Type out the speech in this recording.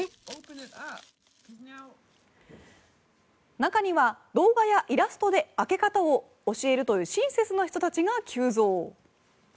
中には動画やイラストで開け方を教えるという親切な人たちが急増。